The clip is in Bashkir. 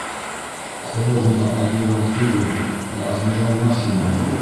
Ҡоро ғына адмирал түгел, ә адмирал Нахимов.